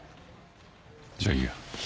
じゃあいいや。